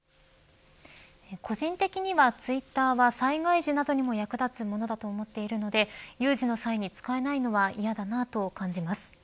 個人的にはツイッターは災害時などにも役立つものだと思っているので有事の際に使えないのは嫌だなと感じます。